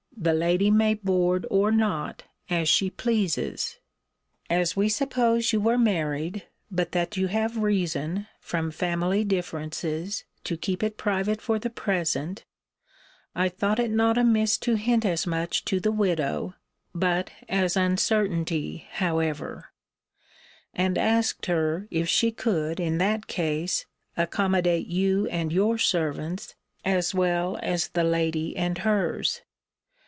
The lady may board or not as she pleases. As we suppose you were married, but that you have reason, from family differences, to keep it private for the present, I thought it not amiss to hint as much to the widow (but as uncertainty, however); and asked her, if she could, in that case, accommodate you and your servants, as well as the lady and hers?